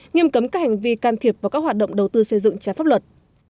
nghiêm cấm các hành vi can thiệp vào các hoạt động đầu tư xây dựng trái pháp luật